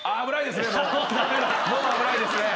危ないですね